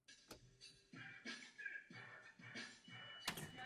Přesné datum nebylo zjištěno.